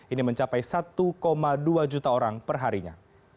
ini mencapai satu dua juta orang per harinya